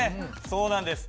そうなんです。